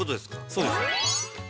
◆そうです。